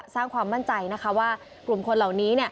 สร้างความมั่นใจนะคะว่ากลุ่มคนเหล่านี้